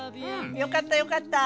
よかったよかった。